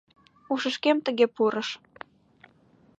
— Ушышкем тыге пурыш.